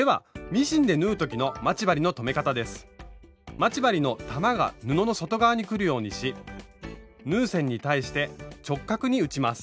待ち針の玉が布の外側にくるようにし縫う線に対して直角に打ちます。